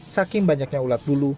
saking banyaknya ulat bulu